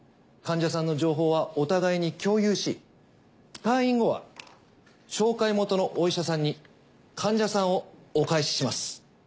患者さんの情報はお互いに共有し退院後は紹介元のお医者さんに患者さんをお返しします。